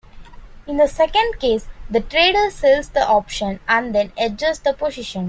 In the second case, the trader sells the option and then hedges the position.